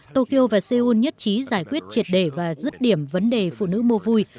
tokyo và seoul nhất trí giải quyết triệt đề và dứt điểm vấn đề phụ nữ mua vui